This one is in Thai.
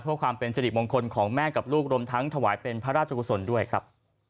เพื่อความเป็นสิริมงคลของแม่กับลูกรวมทั้งถวายเป็นพระราชกุศลด้วยครับ